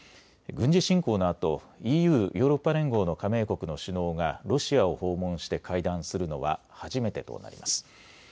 軍事侵攻のあとＥＵ・ヨーロッパ連合の加盟国の首脳がロシアを訪問して会談するのは初めてとなります。